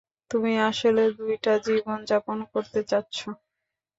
তুমি আসলে দুইটা জীবন যাপন করতে চাঁচ্ছ।